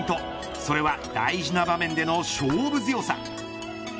それは大事な場面での勝負強さ。